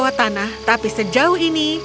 mereka membawa tanah tapi sejauh ini